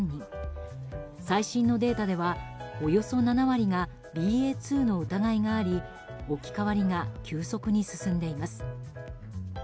最新のデータでは、およそ７割がＢＡ．２の疑いがあり置き換わりが急速に進んでいます。